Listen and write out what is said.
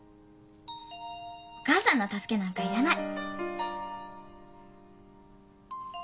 お母さんの助けなんかいらない。